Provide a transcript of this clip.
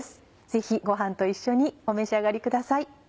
ぜひご飯と一緒にお召し上がりください。